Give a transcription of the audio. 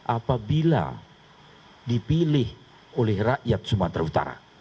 apabila dipilih oleh rakyat sumatera utara